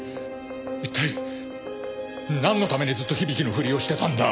一体なんのためにずっと響のふりをしてたんだ！？